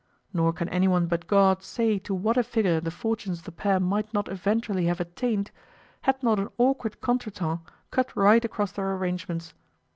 Nor can any one but God say to what a figure the fortunes of the pair might not eventually have attained, had not an awkward contretemps cut right across their arrangements.